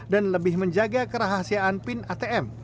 dan lebih menjaga kerahasiaan pin atm